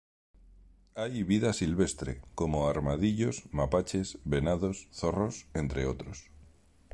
Hay vida silvestre, como armadillos, mapaches, venados, zorros, entre otros.